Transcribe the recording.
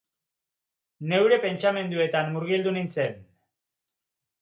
Neure pentsamenduetan murgildu nintzen